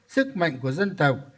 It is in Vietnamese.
sức mạnh của dân tộc